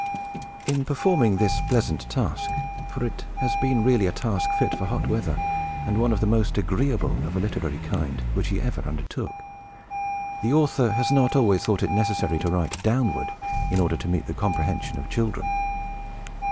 In performing this pleasant task, for it has been really a task fit for hot weather, and one of the most agreeable, of a literary kind, which he ever undertook, the author has not always thought it necessary to write downward, in order to meet the comprehension of children.